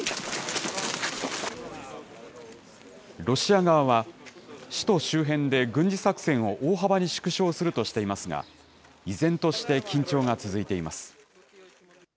ロシア側は、首都周辺で軍事作戦を大幅に縮小するとしていますが、依然として緊張が続いています。